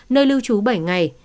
nơi lưu trú bảy ngày